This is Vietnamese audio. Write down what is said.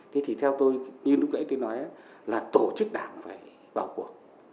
thế thì theo tôi như lúc nãy tôi nói là tổ chức đảng phải vào cuộc